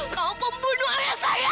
kau pembunuh ayah saya